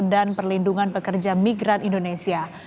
dan perlindungan pekerja migran indonesia